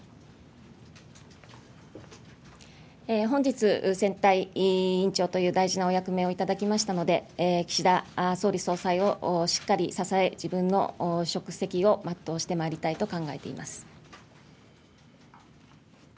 本日、選対委員長という大事なお役目を頂きましたので、岸田総理・総裁をしっかり支え、自分の職責をまっとうしてまいりたいと考えています。